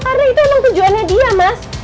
karena itu emang tujuannya dia mas